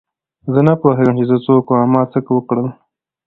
زه نه پوهېږم چې زه څوک وم او ما څه وکړل.